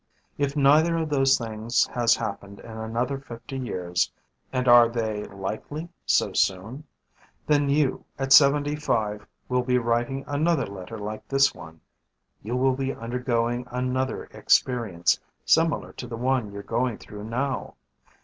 If neither of those things has happened in another fifty years (and are they likely so soon?), then you, at seventy five, will be writing another letter like this one. You will be undergoing another experience similar to the one you're going through now.